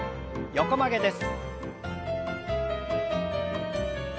横曲げです。